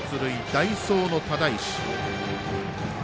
代走の只石。